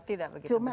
tidak begitu besar